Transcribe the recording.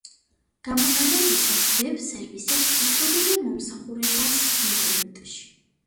გამოყენებისას ვებ–სერვისებს უწოდებენ მომსახურებას ინტერნეტში.